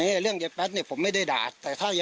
แล้วเรียกว่าเขาจะมาทำร้ายเขาดูนะคะ